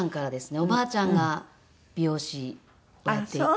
おばあちゃんが美容師をやっていて。